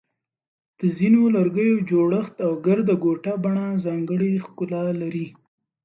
د ځینو لرګیو جوړښت او ګرده ګوټه بڼه ځانګړی ښکلا لري.